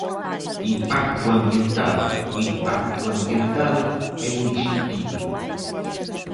Impacto ambiental "O impacto ambiental é indiscutíbel".